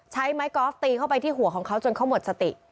ใช้ไม้กอล์ฟตีเข้าไปที่หัวของเขาจนเขาหมดสติ